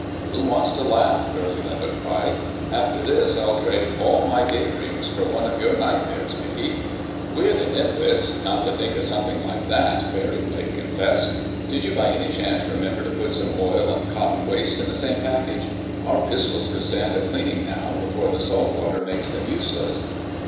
"Who wants to laugh?" Curly Levitt cried. "After this I'll trade all my day dreams for one of your nightmares, Mickey." "We're the nitwits not to think of something like that!" Barry Blake confessed. "Did you by any chance remember to put some oil and cotton waste in the same package? Our pistols could stand a cleaning now, before the salt water makes them useless."